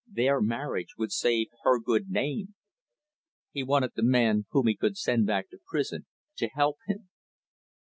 Their marriage would save her good name. He wanted the man whom he could send back to prison to help him.